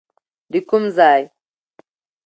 د کوم ځای؟